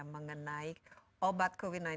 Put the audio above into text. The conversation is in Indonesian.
mengenai obat covid sembilan belas